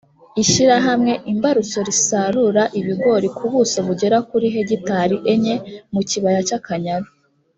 ishyirahamwe imbarutso risarura ibigori ku buso bugera kuri hegitari enye mu kibaya cy’akanyaru